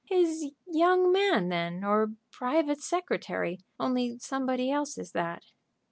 "His young man, then, or private secretary; only somebody else is that."